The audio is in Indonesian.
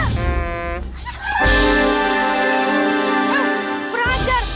ah kurang ajar